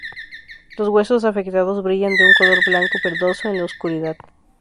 Los huesos afectados brillan de un color blanco-verdoso en la oscuridad.